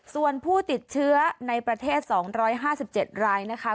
ส่วนผู้ติดเชื้อในประเทศ๒๕๗รายนะคะ